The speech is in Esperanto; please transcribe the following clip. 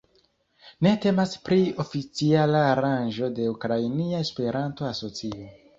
Ne temas pri oficiala aranĝo de Ukrainia Esperanto-Asocio.